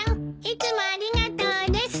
いつもありがとうです！